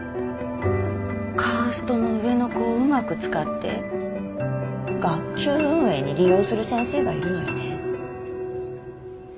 カーストの上の子をうまく使って学級運営に利用する先生がいるのよね。